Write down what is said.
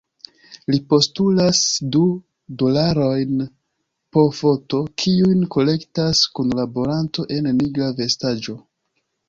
Li postulas du dolarojn po foto, kiujn kolektas kunlaboranto en nigra vestaĵo.